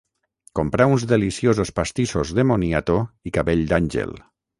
Comprà uns deliciosos pastissos de moniato i cabell d'àngel.